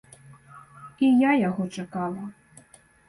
І я яго чакала.